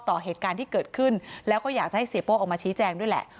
ต่อเหตุการณ์ที่เกิดขึ้นแล้วก็อยากจะให้เสียโป้ออกมาชี้แจงด้วยแหละ